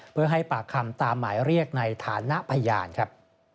เพื่อให้ปากคำตามหมายเรียกในฐานะพยานครับ